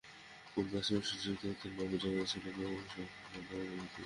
পূর্ব আশ্রমে শ্রীযুক্ত অতীন্দ্রবাবুর জামা ছিল বহুসংখ্যক ও বহুবিধ।